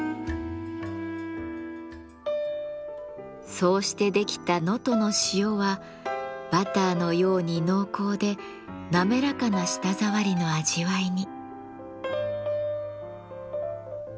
そうして出来た能登の塩はバターのように濃厚でなめらかな舌触りの味わいに。